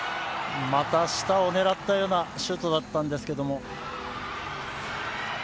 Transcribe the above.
また下を狙ったようなシュートだったんですけども。